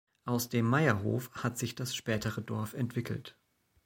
Aus dem Meierhof hat sich das spätere Dorf entwickelt.